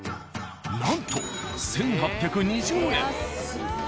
なんと１、８２０円。